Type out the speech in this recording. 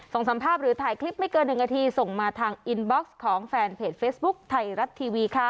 สัมภาพหรือถ่ายคลิปไม่เกิน๑นาทีส่งมาทางอินบ็อกซ์ของแฟนเพจเฟซบุ๊คไทยรัฐทีวีค่ะ